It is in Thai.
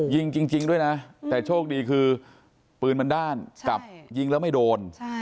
ยิงจริงด้วยนะแต่โชคดีคือปืนมันด้านกับยิงแล้วไม่โดน